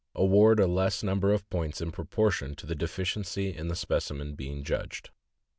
Award a less number of points in proportion to the deficiency in the speci men being judged.